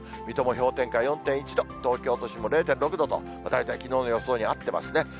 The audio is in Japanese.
水戸も氷点下４．１度、東京都心も０．６度と、大体きのうの予想に合ってますね。